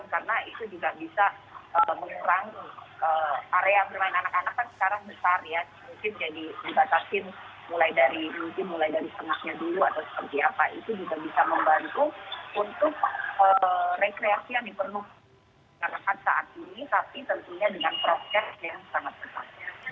karena saat ini tapi tentunya dengan progres yang sangat cepat